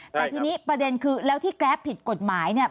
แต่ทีนี้ประเด็นคือแล้วที่แกรปผิดกฎหมายเนี่ย